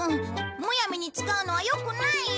むやみに使うのはよくないよ。